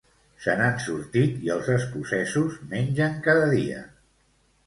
Se n'han sortit i els escocesos mengen cada dia.